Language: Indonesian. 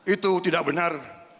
itu tidak benar